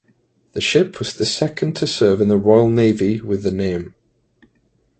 The ship was the second to serve in the Royal Navy with the name.